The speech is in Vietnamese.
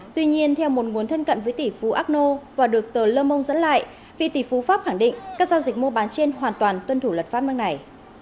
tuy nhiên theo một nguồn thân cận với tỷ phú akno và được tờ lâm mông dẫn lại vì tỷ phú pháp khẳng định các giao dịch mua bán trên hoàn toàn tuân thủ lật pháp năng này